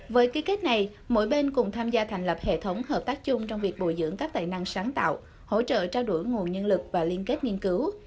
với ký kết này mỗi bên cùng tham gia thành lập hệ thống hợp tác chung trong việc bồi dưỡng các tài năng sáng tạo hỗ trợ trao đổi nguồn nhân lực và liên kết nghiên cứu